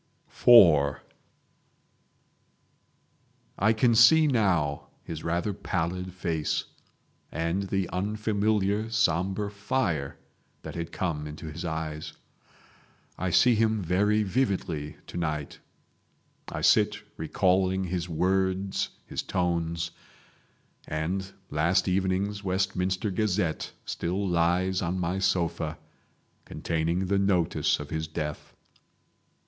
IV I can see now his rather pallid face, and the unfamiliar sombre fire that had come into his eyes. I see him very vividly to night. I sit recalling his words, his tones, and last evening's Westminster Gazette still lies on my sofa, containing the notice of his death.